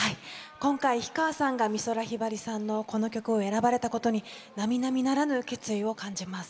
今回、氷川さんが美空ひばりさんのこの曲を選ばれたことに並々ならぬ決意を感じます。